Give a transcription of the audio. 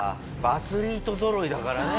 アスリートぞろいだからね。